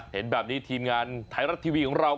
เห็นแบบนี้ทีมงานไทยรัฐทีวีของเรา